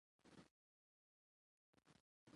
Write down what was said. موږ پخپله دی ښکاري ته پر ورکړی